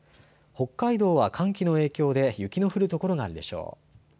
北海道は寒気の影響で雪の降るところがあるでしょう。